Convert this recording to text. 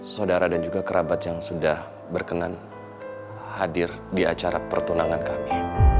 saudara dan juga kerabat yang sudah berkenan hadir di acara pertunangan kami